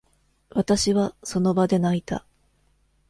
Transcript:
私は、その場で泣いた。